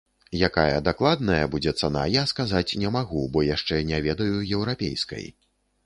Якая дакладная будзе цана, я сказаць не магу, бо яшчэ не ведаю еўрапейскай.